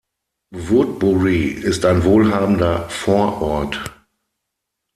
Woodbury ist ein wohlhabender Vorort.